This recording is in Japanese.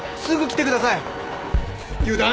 すぐ来てください！